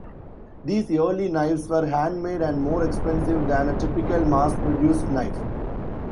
These early knives were handmade and more expensive than a typical mass-produced knife.